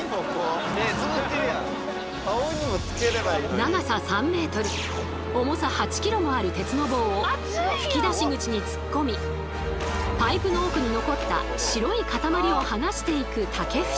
長さ３ｍ重さ８ｋｇもある鉄の棒を噴き出し口に突っ込みパイプの奥に残った白いかたまりを剥がしていく竹節さん。